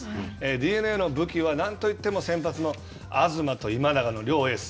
ＤｅＮＡの武器は何といっても先発の東と今永の両エース。